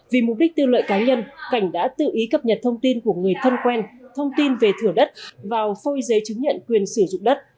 vì mục đích tiêu lợi cá nhân cảnh đã tự ý cập nhật thông tin của người thân quen thông tin về thửa đất vào phôi giấy chứng nhận quyền sử dụng đất